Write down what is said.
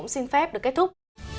xin phép được kết thúc